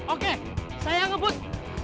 oke saya ngebut